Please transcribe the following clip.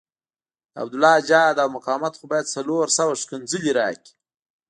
د عبدالله جهاد او مقاومت خو باید څلور سوه ښکنځلې راکړي.